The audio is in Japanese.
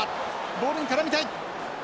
ボールに絡みたい。